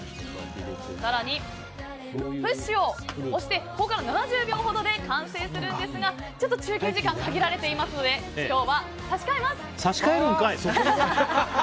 更に、プッシュを押してここから７０秒ほどで完成するんですがちょっと中継時間が限られていますので差し替えるんかい！